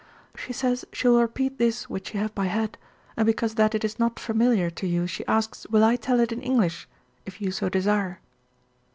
She says she will repeat this which she have by head, and because that it is not familiar to you she asks will I tell it in English if you so desire?"